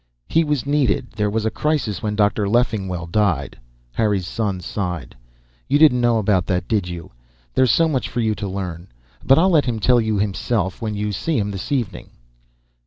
"He was needed. There was a crisis, when Dr. Leffingwell died." Harry's son sighed. "You didn't know about that, did you? There's so much for you to learn. But I'll let him tell you himself, when you see him this evening."